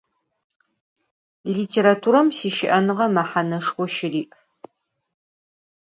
Litêraturem sişı'enığe mehaneşşxo şıri'.